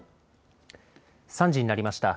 ３時になりました。